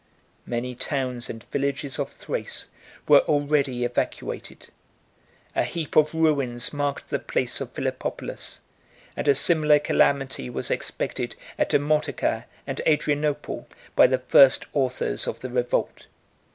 Many towns and villages of Thrace were already evacuated: a heap of ruins marked the place of Philippopolis, and a similar calamity was expected at Demotica and Adrianople, by the first authors of the revolt.